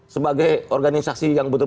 sebagai organisasi yang berusaha